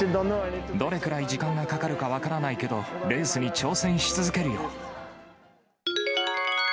どれくらい時間がかかるか分からないけど、レースに挑戦し続けるよ。